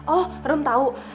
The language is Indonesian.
oh rum tahu